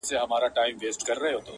• د سروګلونو غوټۍ به واسي -